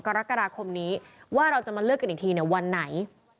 กรกฎาคมนี้ว่าเราจะมาเลือกกันอีกทีวันไหน